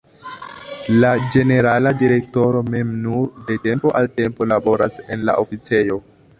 La ĝenerala direktoro mem nur de tempo al tempo laboras en la oficejo.